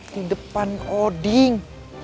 di depan oding